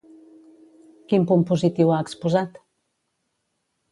Quin punt positiu ha exposat?